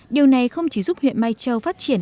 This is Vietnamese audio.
điều này không chỉ giúp huyện mai châu phát triển